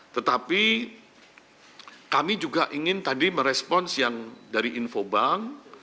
tetapi kami juga ingin tadi merespons yang dari infobank